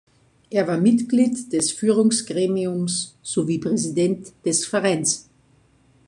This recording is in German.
Er war Mitglied des Führungsgremiums sowie Präsident des Vereins.